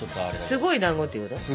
すごいだんごっていうこと？